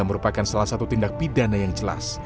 merupakan salah satu tindak pidana yang jelas